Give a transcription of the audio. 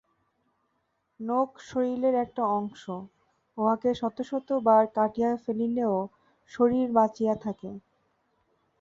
নখ শরীরের একটি অংশ, উহাকে শত শত বার কাটিয়া ফেলিলেও শরীর বাঁচিয়া থাকে।